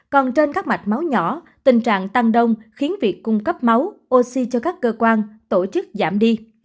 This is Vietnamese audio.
còn trên các mạch máu nhỏ tình trạng tăng đông khiến việc cung cấp máu oxy cho các cơ quan tổ chức giảm đi